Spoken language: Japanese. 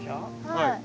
はい。